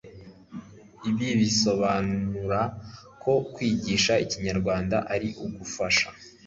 Ibi bisobanura ko kwigisha Ikinyarwanda ari ugufasha